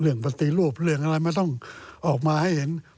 ปฏิรูปเรื่องอะไรมันต้องออกมาให้เห็น